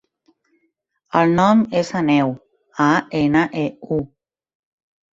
El nom és Aneu: a, ena, e, u.